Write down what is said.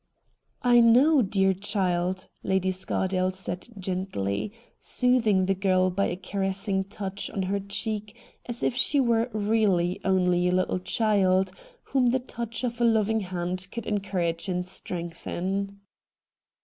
' I know, dear child,' Lady Scardale said gently — soothing the girl by a caressing touch on her cheek as if she were really only a little FIDELIA LOCKE 151 child, whom the touch of a loving hand could encourage and strengthen.